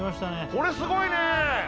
これすごいね！